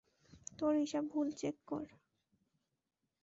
তোর হিসাব ভুল, চেক কর।